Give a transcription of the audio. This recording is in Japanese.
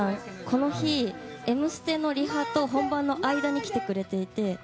この日、「Ｍステ」のリハと本番の間に来てくれていて。